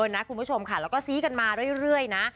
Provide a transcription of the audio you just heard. นะคุณผู้ชมค่ะแล้วก็ซี้กันมาเรื่อยนะ